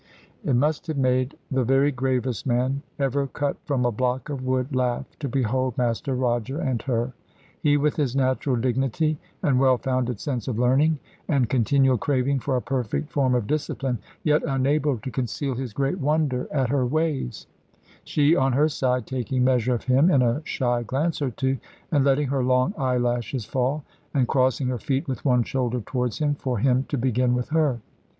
It must have made the very gravest man, ever cut from a block of wood, laugh to behold Master Roger, and her. He with his natural dignity, and well founded sense of learning, and continual craving for a perfect form of discipline; yet unable to conceal his great wonder at her ways: she on her side taking measure of him in a shy glance or two, and letting her long eyelashes fall, and crossing her feet with one shoulder towards him, for him to begin with her.